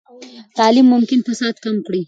تعلیم ممکن فساد کم کړي.